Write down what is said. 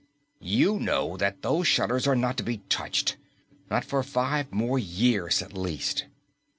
"You know that those shutters are not to be touched! Not for five more years at least!"